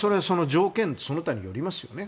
条件その他によりますね。